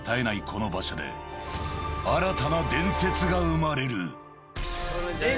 この場所で、新たな伝説が生まれる。